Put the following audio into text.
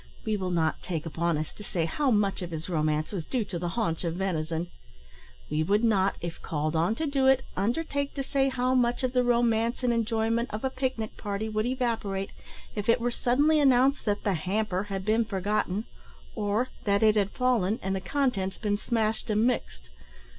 We will not take upon us to say how much of his romance was due to the haunch of venison. We would not, if called on to do it, undertake to say how much of the romance and enjoyment of a pic nic party would evaporate, if it were suddenly announced that "the hamper" had been forgotten, or that it had fallen and the contents been smashed and mixed.